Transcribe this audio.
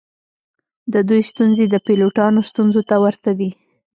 د دوی ستونزې د پیلوټانو ستونزو ته ورته دي